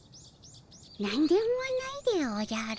何でもないでおじゃる。